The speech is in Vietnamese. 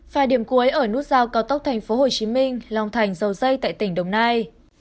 và điểm cuối ở nút giao cao tốc tp hcm long thành dầu dây tại tỉnh đồng nai